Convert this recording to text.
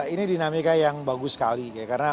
ini dinamika yang bagus sekali